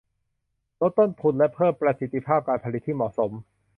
ลดต้นทุนและเพิ่มประสิทธิภาพการผลิตที่เหมาะสม